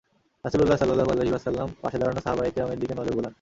রাসূল সাল্লাল্লাহু আলাইহি ওয়াসাল্লাম পাশে দাঁড়ানো সাহাবায়ে কেরামের দিকে নজর বুলান।